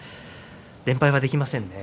連敗はできませんね。